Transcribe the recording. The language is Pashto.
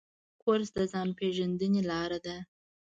کورس د ځان پېژندنې لاره ده.